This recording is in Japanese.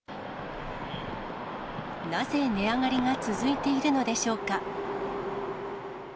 なぜ値上がりが続いているのでしょうか。